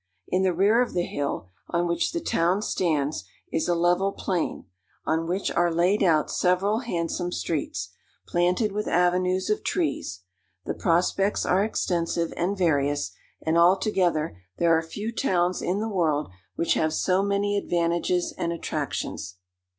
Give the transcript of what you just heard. In the rear of the hill on which the town stands is a level plain, on which are laid out several handsome streets, planted with avenues of trees. The prospects are extensive and various; and, altogether, there are few towns in the world which have so many advantages and attractions.